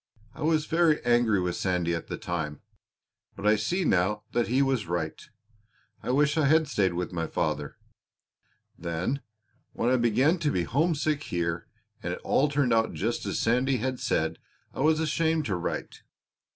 I was very angry with Sandy at the time, but I see now that he was right. I wish I had stayed with my father. Then when I began to be homesick here and it all turned out just as Sandy had said I was ashamed to write.